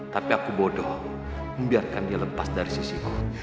tapi aku bodoh membiarkan dia lepas dari sisiku